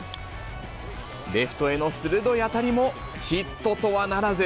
レフトへの鋭い当たりもヒットとはならず。